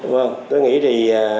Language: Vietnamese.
vâng tôi nghĩ thì